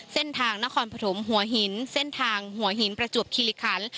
นครปฐมหัวหินเส้นทางหัวหินประจวบคิริคัน